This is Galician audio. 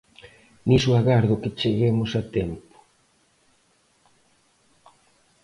Niso agardo que cheguemos a tempo.